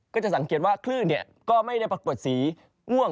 ก็จะสังเกตว่าคลื่นก็ไม่ได้ปรากฏสีม่วง